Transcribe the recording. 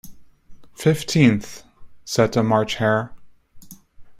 ‘Fifteenth,’ said the March Hare.